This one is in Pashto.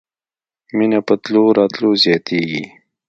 مینه په تلو راتلو زیاتیږي